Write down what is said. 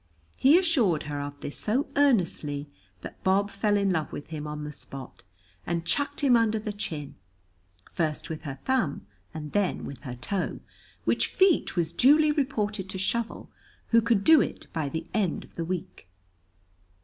He assured her of this so earnestly that Bob fell in love with him on the spot, and chucked him under the chin, first with her thumb and then with her toe, which feat was duly reported to Shovel, who could do it by the end of the week.